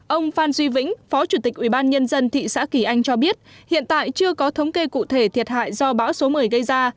ông phan duy vĩnh phó chủ tịch ubnd thị xã kỳ anh cho biết hiện tại chưa có thống kê cụ thể thiệt hại do bão số một mươi gây ra